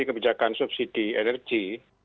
kebijakan subsidi energi